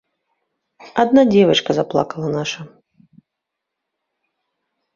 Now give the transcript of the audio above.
Адна дзевачка заплакала наша.